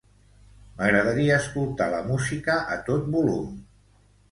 M'agradaria escoltar la música a tot volum.